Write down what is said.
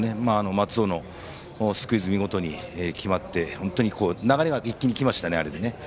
松尾のスクイズが見事に決まって本当にあれで流れが一気にきましたね。